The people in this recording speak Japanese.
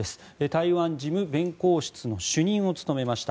台湾事務弁公室の主任を務めました。